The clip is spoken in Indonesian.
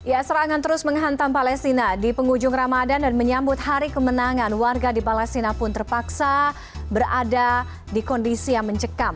ya serangan terus menghantam palestina di penghujung ramadan dan menyambut hari kemenangan warga di palestina pun terpaksa berada di kondisi yang mencekam